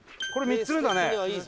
これ３つ目だね。